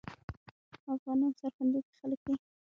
افغانان سرښندونکي خلګ دي